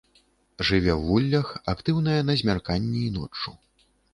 Жыве ў вуллях, актыўная на змярканні і ноччу.